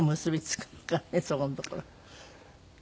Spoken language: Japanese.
そこのところ。